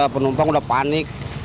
penumpang udah panik